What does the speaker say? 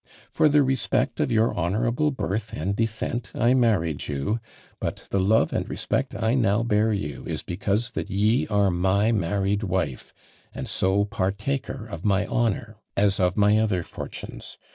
For the respect of your honourable birth and descent I married you; but the love and respect I now bear you is because that ye are my married wife, and so partaker of my honour, as of my other fortunes.